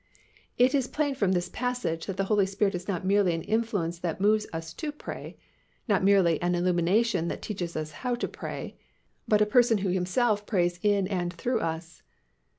It is plain from this passage that the Holy Spirit is not merely an influence that moves us to pray, not merely an illumination that teaches us how to pray, but a Person who Himself prays in and through us.